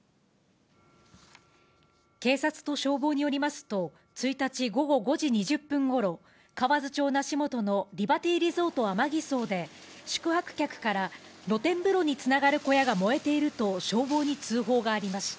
警察と消防によりますと、１日午後５時２０分ごろ、河津町梨本のリバティリゾートアマギソウで、宿泊客から露天風呂につながる小屋が燃えていると消防に通報がありました。